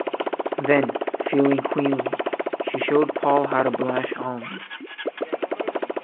Then, feeling queenly, she showed Paul how to blanch almonds.